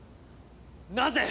なぜ！